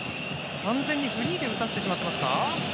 完全にフリーで打たせてしまっていますか？